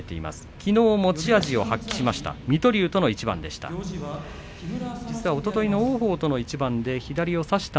きのう持ち味を発揮しました水戸龍との一番でした。